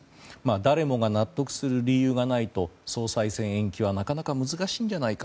誰もが納得する理由がないと総裁選延期はなかなか難しいんじゃないか。